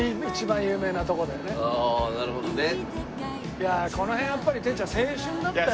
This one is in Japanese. いやあこの辺はやっぱりてっちゃん青春だったよね。